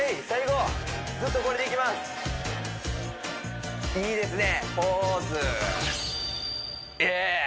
はいいいですね